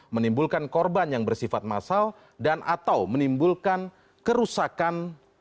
menimbulkan korban yang bersifat masal dan atau menimbulkan kerusakan